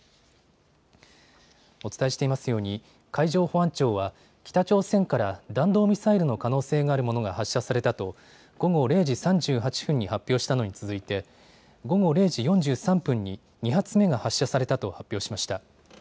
お伝えしていますように海上保安庁は北朝鮮から弾道ミサイルの可能性があるものが発射されたと午後０時３８分に発表したのに続いて午後０時４３分に２発目が発射されたと発表しました。